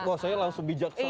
wah saya langsung bijak